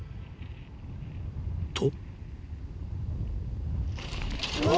［と］